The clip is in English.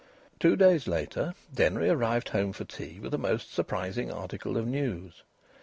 Two days later Denry arrived home for tea with a most surprising article of news.